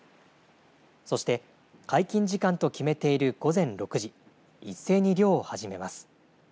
そして、解禁時間と決めている午前６時一斉に漁を始めます。